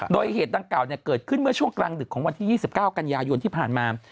โดยเหตุดังกล่าวเกิดขึ้นเมื่อช่วงกลางดึกของวันที่๒๙กันยายนที่ผ่านมา